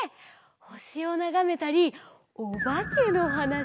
ほしをながめたりおばけのはなしをしたりね。